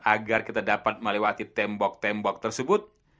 agar kita dapat melewati tembok tembok tersebut